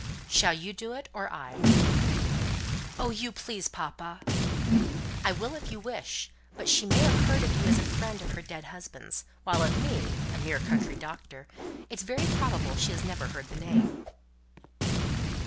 Shall you do it, or I?" "Oh, you, please, papa!" "I will, if you wish. But she may have heard of you as a friend of her dead husband's; while of me a mere country doctor it's very probable she has never heard the name."